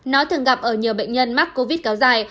nó thường gặp ở nhiều bệnh nhân mắc covid kéo dài